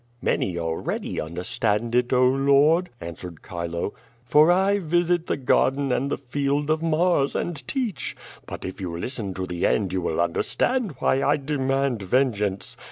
'^ "Many already understand it. Oh Lord," answered Chilo, for I visit the garden and the field of Mars and teach. But if you listen to the end you will understand why I demand vengeance.